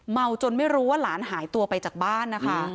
จนไม่รู้ว่าหลานหายตัวไปจากบ้านนะคะ